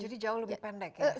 jadi jauh lebih pendek ya